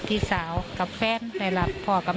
เพราะไม่ได้รับเจอเย็น